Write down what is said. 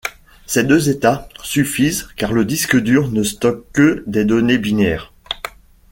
Ces deux états suffisent car le disque dur ne stocke que des données binaires.